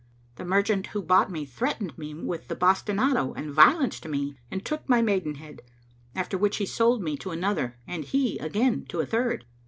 The merchant who bought me threatened me with the bastinado and violenced me and took my maidenhead, after which he sold me to another and he again to a third."